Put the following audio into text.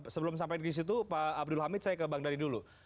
sebelum sampai di situ pak abdul hamid saya ke bang dhani dulu